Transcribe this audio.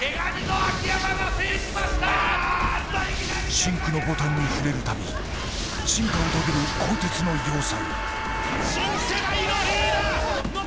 深紅のボタンに触れるたび、進化を遂げる鋼鉄の要塞。